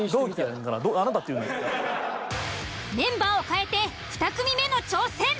メンバーを変えて２組目の挑戦！